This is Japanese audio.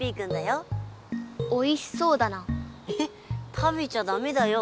食べちゃダメだよ。